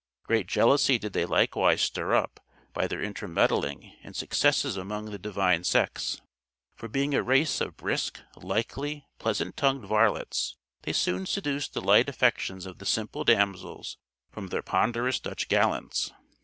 Great jealousy did they likewise stir up by their intermeddling and successes among the divine sex, for being a race of brisk, likely, pleasant tongued varlets, they soon seduced the light affections of the simple damsels from their ponderous Dutch gallants.